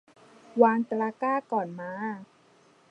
วางตะกร้าก่อนม้า